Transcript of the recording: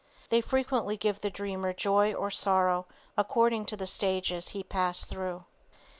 They frequently give the dreamer joy or sorrow, according to the stages he passed through.